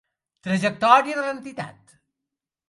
Trajectòria de l'entitat.